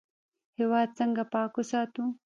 هیواد څنګه پاک وساتو؟